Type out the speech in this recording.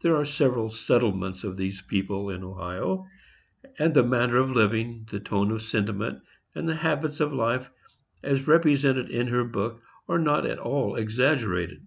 There are several settlements of these people in Ohio, and the manner of living, the tone of sentiment, and the habits of life, as represented in her book, are not at all exaggerated.